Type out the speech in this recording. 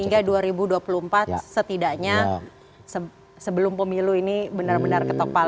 hingga dua ribu dua puluh empat setidaknya sebelum pemilu ini benar benar ketok pal